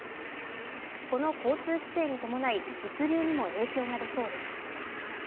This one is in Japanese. この交通規制に伴い物流にも影響が出そうです。